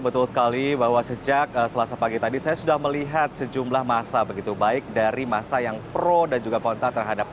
betul sekali bahwa sejak selasa pagi tadi saya sudah melihat sejumlah masa begitu baik dari masa yang pro dan juga kontra terhadap